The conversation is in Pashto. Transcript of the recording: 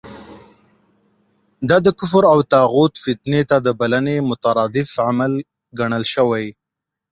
دا د کفر او طاغوت فتنې ته د بلنې مترادف عمل ګڼل شوی.